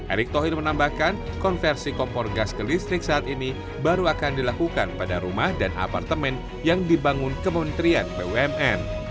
erick thohir menambahkan konversi kompor gas ke listrik saat ini baru akan dilakukan pada rumah dan apartemen yang dibangun kementerian bumn